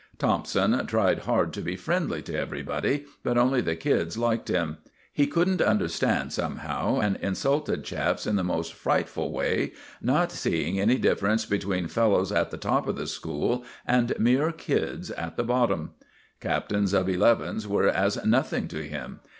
Thompson tried hard to be friendly to everybody, but only the kids liked him. He couldn't understand somehow, and insulted chaps in the most frightful way, not seeing any difference between fellows at the top of the school and mere kids at the bottom. Captains of elevens were as nothing to him.